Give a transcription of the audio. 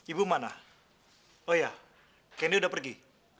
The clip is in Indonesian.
ibu mana oh iya candy udah pergi